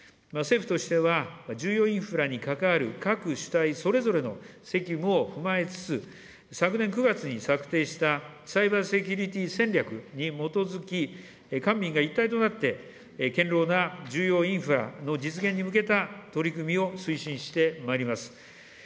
政府としては、重要インフラに関わる各主体それぞれの責務を踏まえつつ、昨年９月に策定したサイバー・セキュリティー戦略に基づき、官民が一体となって、堅牢な重要インフラの実現に向けた取り組みを推進してまいります。